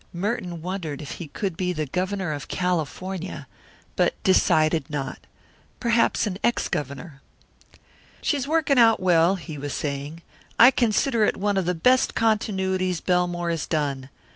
Merton wondered if he could be the governor of California, but decided not. Perhaps an ex governor. "She's working out well," he was saying. "I consider it one of the best continuities Belmore has done.